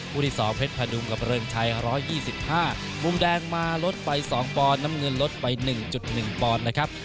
ที่๒เพชรพดุงกับเริงชัย๑๒๕มุมแดงมาลดไป๒ปอนด์น้ำเงินลดไป๑๑ปอนด์นะครับ